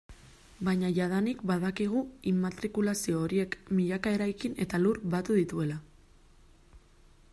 Baina jadanik badakigu immatrikulazio horiek milaka eraikin eta lur batu dituela.